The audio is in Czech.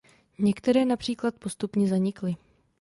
Některé například postupně zanikly.